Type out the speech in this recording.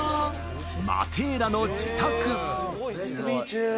マテーラの自宅。